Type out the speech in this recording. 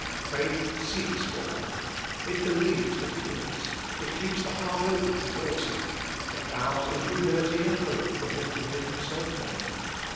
Faith seeks for God ; it believes that He is ; it keeps the heart open towards Him ; it bows in humility and hope for Him to make Himself known.